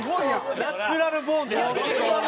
ナチュラルボーンでやってた。